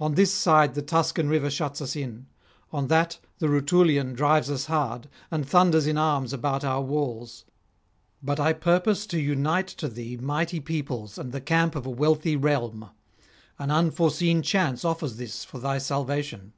On this side the Tuscan river shuts us in; on that the Rutulian drives us hard, and thunders in arms about our walls. But I purpose to unite to thee mighty peoples and the camp of a wealthy realm; an unforeseen chance offers this for thy salvation.